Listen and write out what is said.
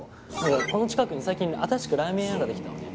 この近くに最近新しくラーメン屋が出来たのね。